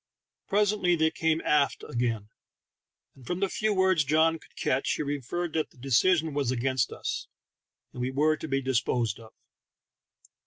Presently they came aft again, and from the few words John could catch he inferred that the decision was against us, and we were to be dis posed of.